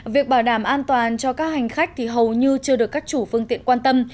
việc bảo đảm an toàn cho các hành khách thì hầu như chưa được các chủ phương tiện quan tâm